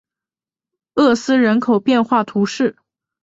厄斯人口变化图示